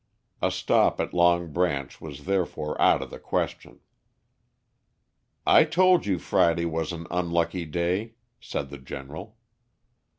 A stop at Long Branch was therefore out of the question. "I told you Friday was an unlucky day," said the General.